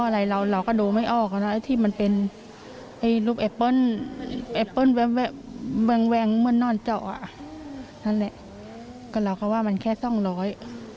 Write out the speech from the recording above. และก็เราก็ว่ามันแค่ส่องร้อย